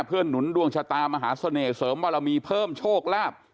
เพื่อหนุนดวงชะตามหาเสน่หเสริมบารมีเพิ่มโชคลาภ